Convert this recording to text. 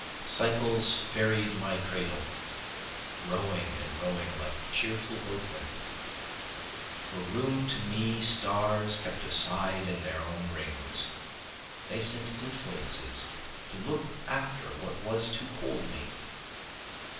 Cycles ferried my cradle, rowing and rowing like cheerful boatmen, For room to me stars kept aside in their own rings, They sent influences to look after what was to hold me.